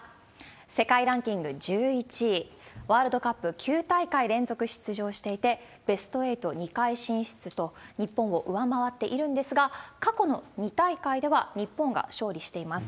世界ランキング１１位、ワールドカップ９大会連続出場していて、ベスト８、２回進出と、日本を上回っているんですが、過去の２大会では、日本が勝利しています。